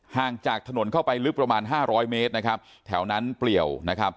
ห่างจากถนนเข้าไปลึกประมาณ๕๐๐เมตรแถวนั้นเปรียว